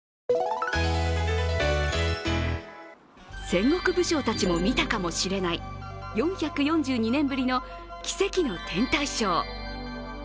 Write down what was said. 戦国武将たちも見たかもしれない、４４２年ぶりの奇跡の天体ショー。